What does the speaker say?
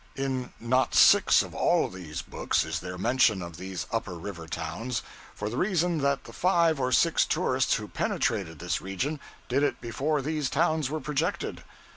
In not six of all these books is there mention of these Upper River towns for the reason that the five or six tourists who penetrated this region did it before these towns were projected.